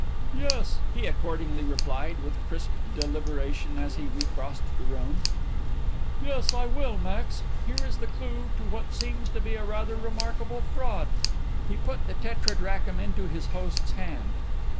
"Yes," he accordingly replied, with crisp deliberation, as he recrossed the room; "yes, I will, Max. Here is the clue to what seems to be a rather remarkable fraud." He put the tetradrachm into his host's hand.